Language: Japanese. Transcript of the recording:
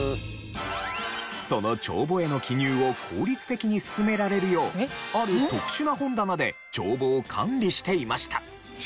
その帳簿への記入を効率的に進められるようある特殊な本棚で帳簿を管理していました。